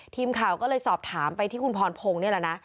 ทีมข่าวก็เลยสอบถามไปที่คุณพรพงศ์นี่แหละนะ